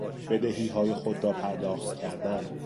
بدهیهای خود را پرداخت کردن